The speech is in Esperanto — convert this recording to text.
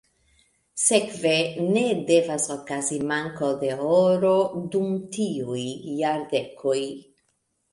Sekve ne devis okazi manko de oro dum tiuj jardekoj.